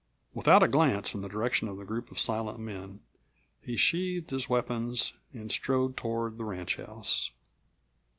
Without a glance in the direction of the group of silent men, he sheathed his weapons and strode toward the ranchhouse.